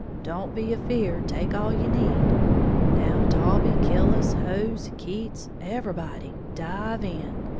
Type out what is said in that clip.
Don't be afeared, take all you need! Now Taulbee, Killis, Hose, Keats, everybody, dive in!